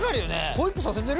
ホイップさせてる？